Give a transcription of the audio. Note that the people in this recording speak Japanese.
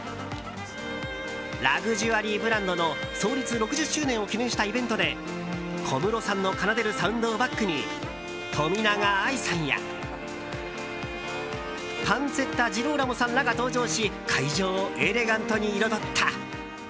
ラグジュアリーブランドの創立６０周年を記念したイベントで小室さんの奏でるサウンドをバックに冨永愛さんやパンツェッタ・ジローラモさんらが登場し会場をエレガントに彩った。